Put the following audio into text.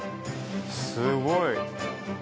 すごい。